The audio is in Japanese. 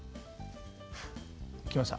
来ました。